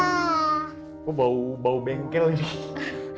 aku bau bau bengkel gitu